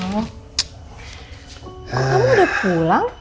kok kamu udah pulang